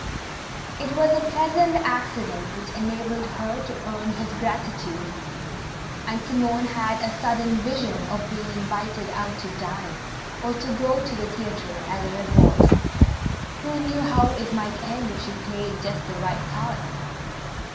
It was a pleasant accident which enabled her to earn his gratitude, and Simone had a sudden vision of being invited out to dine, or go to the theatre, as a reward. Who knew how it might end if she played just the right cards?